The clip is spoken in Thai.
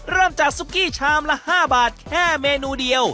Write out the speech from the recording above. เริ่มจากซุกกี้ชามละ๕บาทแค่เมนูเดียว